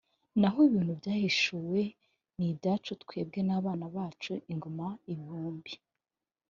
naho ibintu byahishuwe ni ibyacu twebwe n’abana bacu ingoma ibihumbi,